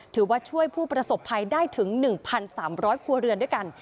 ถือว่าช่วยผู้ประสบภัยได้ถึง๑๓๐๐ครัวเรือนด้วยกัน